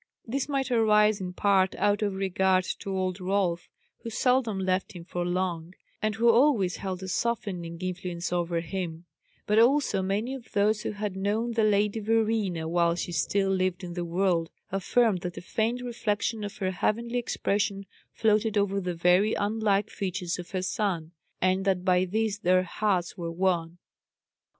This might arise in part out of regard to old Rolf, who seldom left him for long, and who always held a softening influence over him; but also many of those who had known the Lady Verena while she still lived in the world affirmed that a faint reflection of her heavenly expression floated over the very unlike features of her son, and that by this their hearts were won.